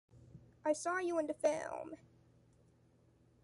I saw you in the film